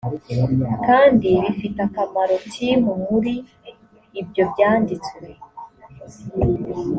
kandi bifite akamaro tim muri ibyo byanditswe